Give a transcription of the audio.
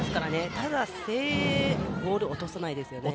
ただ、誠英ボールを落とさないですよね。